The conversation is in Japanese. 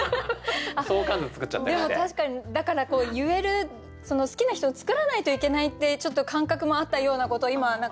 でも確かにだから言えるその好きな人を作らないといけないってちょっと感覚もあったようなこと今思い出しました。